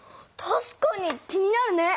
たしかに気になるね！